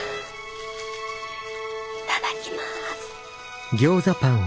いただきます。